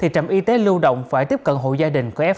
trạm y tế lưu động phải tiếp cận hộ gia đình của f